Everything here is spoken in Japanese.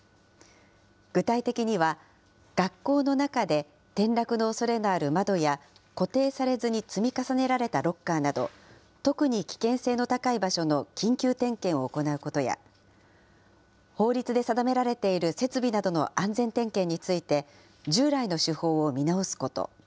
具体的には、学校の中で転落のおそれがある窓や、固定されずに積み重ねられたロッカーなど、特に危険性の高い場所の緊急点検を行うことや、法律で定められている設備などの安全点検について、従来の手法を見直すこと。